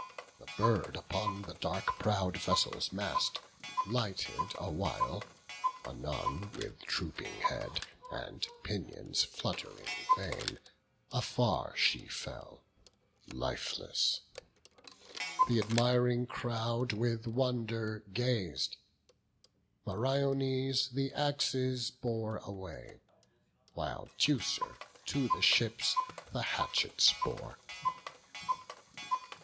The bird upon the dark prow'd vessel's mast Lighted awhile; anon, with drooping head, And pinions flutt'ring vain, afar she fell, Lifeless; th' admiring crowd with wonder gaz'd. Meriones the axes bore away, While Teucer to the ships the hatchets bore.